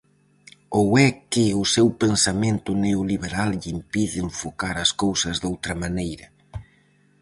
Ou é que o seu pensamento neoliberal lle impide enfocar as cousas doutra maneira.